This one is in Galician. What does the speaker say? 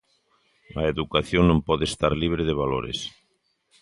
A educación non pode estar libre de valores.